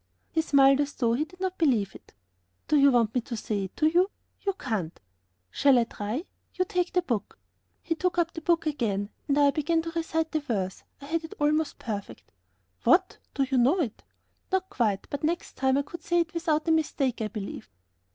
He smiled as though he did not believe it. "Do you want me to say it to you?" "You can't." "Shall I try? You take the book." He took up the book again, and I began to recite the verse. I had it almost perfect. "What! you know it?" "Not quite, but next time I could say it without a mistake, I believe."